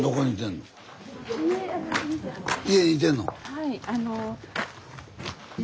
はい。